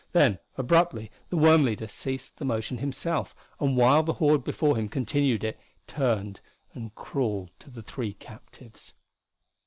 Then abruptly the worm leader ceased the motion himself, and while the horde before him continued it, turned and crawled to the three captives.